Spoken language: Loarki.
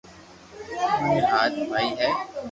مارا ھات ڀائي ھي